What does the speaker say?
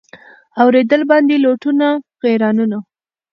اورېدل باندي لوټونه غیرانونه